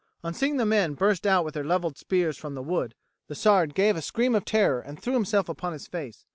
On seeing the men burst out with their levelled spears from the wood, the Sard gave a scream of terror and threw himself upon his face.